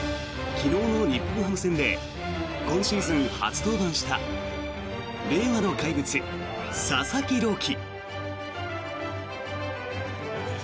昨日の日本ハム戦で今シーズン初登板した令和の怪物、佐々木朗希。